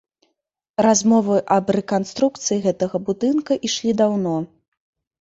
Размовы аб рэканструкцыі гэтага будынка ішлі даўно.